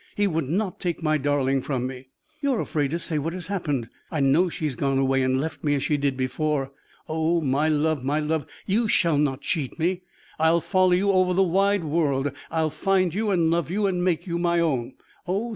He would not take my darling from me. You are afraid to say what has happened. I know she has gone away and left me, as she did before. Oh! my love, my love! you shall not cheat me! I will follow you over the wide world; I will find you, and love you, and make you my own! Oh!